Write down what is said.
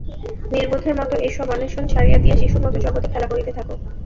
নির্বোধের মত এ-সব অন্বেষণ ছাড়িয়া দিয়া শিশুর মত জগতে খেলা করিতে থাক।